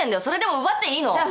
それでも奪っていいの？